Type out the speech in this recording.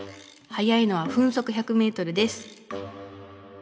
速いのは分速１００ｍです。